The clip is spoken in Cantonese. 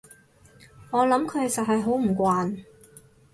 我諗佢實係好唔慣